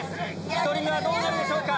１人目はどうなるでしょうか？